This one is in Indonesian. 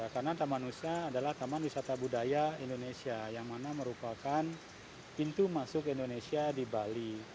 karena taman usaha adalah taman wisata budaya indonesia yang mana merupakan pintu masuk indonesia di bali